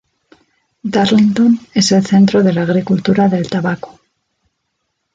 Darlington es el centro de la agricultura del tabaco.